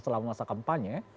selama masa kampanye